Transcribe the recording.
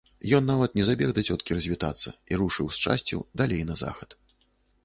Ён нават не забег да цёткі развітацца і рушыў з часцю далей на захад.